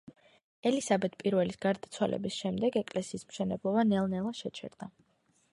ელისაბედ პირველის გარდაცვალების შემდეგ ეკლესიის მშენებლობა ნელ-ნელა შეჩერდა.